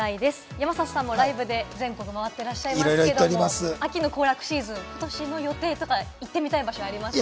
山里さんもライブで全国を回っていらっしゃいますけれども、秋の行楽シーズン、ことしの予定とか、行ってみたい場所はありますか？